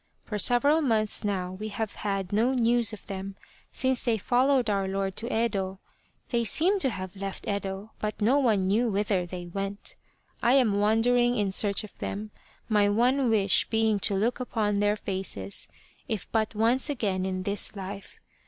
For several months now we have had no news of them, since they followed our lord to Yedo ; they seem to have left Yedo, but no one knew whither they went. I am wandering in search of them : my one wish being to look upon their faces if but once again in this life.